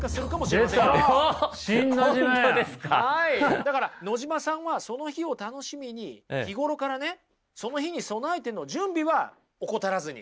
だから野島さんはその日を楽しみに日頃からねその日に備えての準備は怠らずに。